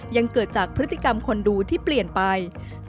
ยังเกิดจากพฤติกรรมคนดูที่เปลี่ยนไป